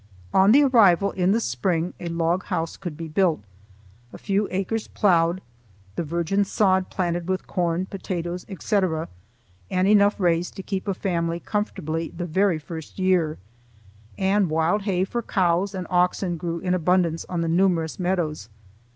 On the arrival in the spring, a log house could be built, a few acres ploughed, the virgin sod planted with corn, potatoes, etc., and enough raised to keep a family comfortably the very first year; and wild hay for cows and oxen grew in abundance on the numerous meadows.